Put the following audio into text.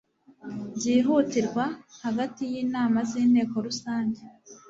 byihutirwa hagati y inama z inteko rusange